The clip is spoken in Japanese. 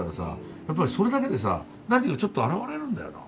やっぱりそれだけでさちょっと洗われるんだよな。